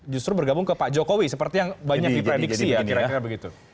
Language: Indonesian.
justru bergabung ke pak jokowi seperti yang banyak diprediksi ya kira kira begitu